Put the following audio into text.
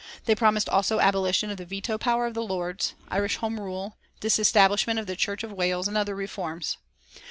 They promised also abolition of the veto power of the Lords, Irish Home Rule, disestablishment of the Church of Wales, and other reforms.